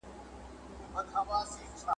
چي په ښار او په مالت کي څه تیریږي ,